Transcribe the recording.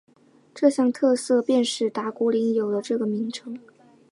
这项特色便使打鼓岭有了这个名称。